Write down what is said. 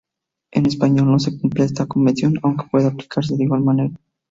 En español no se cumple esta convención, aunque puede aplicarse de igual manera.